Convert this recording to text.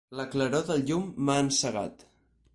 La claror del llum m'ha encegat.